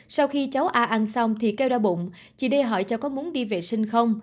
sau khi cháu a ăn xong thì kêu đau bụng chị đê hỏi cho có muốn đi vệ sinh không